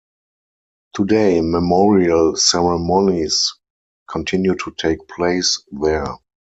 Today, memorial ceremonies continue to take place there.